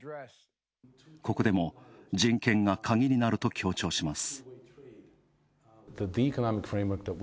ここでも人権がカギになると強調します。